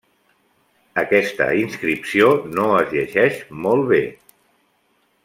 Aquesta inscripció no es llegeix molt bé.